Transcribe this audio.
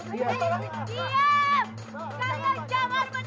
kalian jangan mendekat